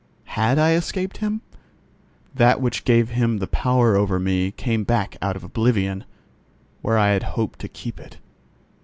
Had I escaped him? That which gave him the power over me came back out of oblivion, where I had hoped to keep it.